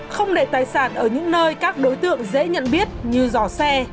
không để tài sản ở những nơi các đối tượng dễ nhận biết như giò xe